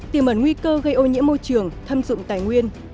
tiềm ẩn nguy cơ gây ô nhiễm môi trường thâm dụng tài nguyên